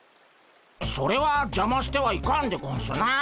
それはじゃましてはいかんでゴンスな。